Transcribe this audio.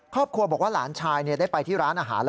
ครอบครัวบอกว่าหลานชายได้ไปที่ร้านอาหาร